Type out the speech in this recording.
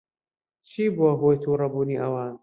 چی بووە ھۆی تووڕەبوونی ئەوان؟